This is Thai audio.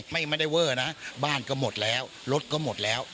ไม่ได้เวอร์นะบ้านก็หมดแล้วรถก็หมดแล้ว